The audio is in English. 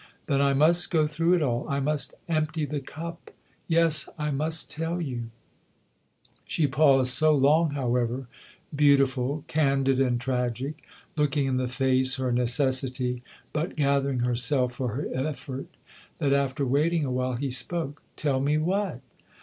"Then I must go through it all I must empty the cup. Yes, I must tell you." THE OTHER HOUSE 219 She paused so long, however, beautiful, candid and tragic, looking in the face her necessity, but gathering herself for her effort, that, after waiting a while, he spoke. " Tell me what